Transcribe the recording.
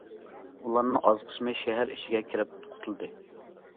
ئۇلارنىڭ ئاز قىسمى شەھەر ئىچىگە كىرىپ قۇتۇلدى.